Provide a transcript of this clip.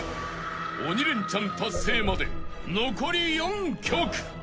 ［鬼レンチャン達成まで残り４曲］